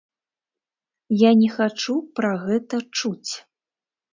Я не хачу пра гэта чуць!